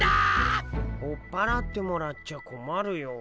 追っ払ってもらっちゃこまるよ。